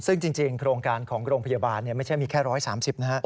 ซึ่งจริงโครงการของโรงพยาบาลไม่ใช่มีแค่๑๓๐นะฮะ